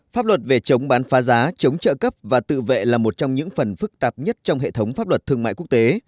pháp luật về chống bán phá giá chống trợ cấp và tự vệ là một trong những phần phức tạp nhất trong hệ thống pháp luật thương mại quốc tế